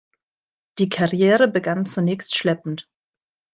Die Karriere begann zunächst schleppend.